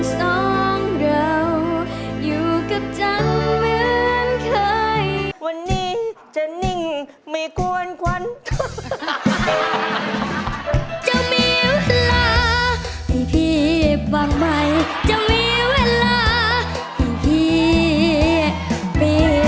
สวัสดีครับ